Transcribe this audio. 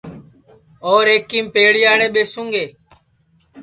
اور ایکیم پیڑیاڑے ٻیسوں گے